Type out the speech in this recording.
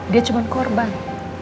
dia cuma korban